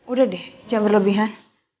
udah deh jangan berlebihan